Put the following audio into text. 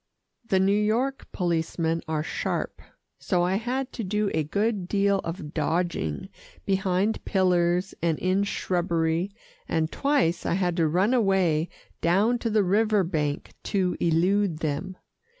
The New York policemen are sharp, so I had to do a good deal of dodging behind pillars and in shrubbery, and twice I had to run away down to the river bank to elude them.